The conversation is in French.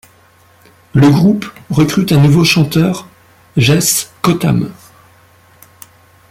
Le groupe recrute un nouveau chanteur, Jesse Cottam.